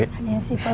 iya sih pak